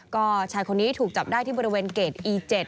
ก็ชายคนนี้ถูกจับได้ที่บริเวณเกรดอี๗